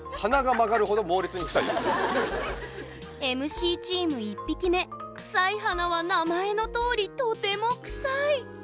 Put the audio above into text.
ＭＣチーム１匹目クサイハナは名前のとおりとてもクサイ！